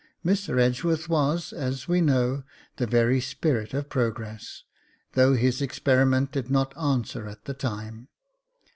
Mr. Edgeworth was, as we know, the very spirit of progress, though his experiment did not answer at the time.